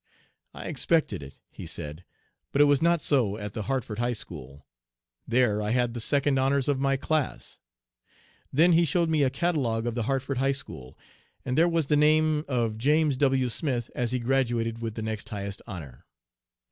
"'I expected it,' he said; 'but it was not so at the Hartford High School. There I had the second honors of my class.' Then he showed me a catalogue of the Hartford High School, and there was the name of James W. Smith as he graduated with the next highest honor.